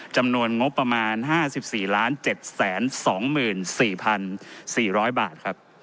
จำนวนงบประมาณ๕๔๗๒๔๔๐๐บาทครับ